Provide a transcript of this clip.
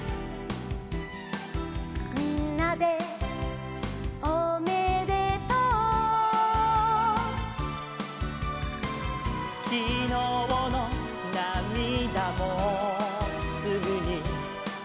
「みんなでおめでとう」「きのうのなみだもすぐに」